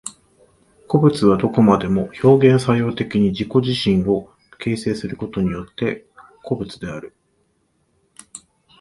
個物はどこまでも表現作用的に自己自身を形成することによって個物である。